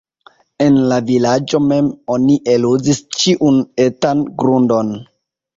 En la vilaĝo mem oni eluzis ĉiun etan grundon.